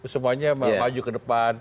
semuanya maju ke depan